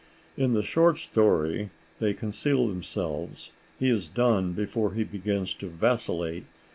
In the short story they conceal themselves; he is done before he begins to vacillate.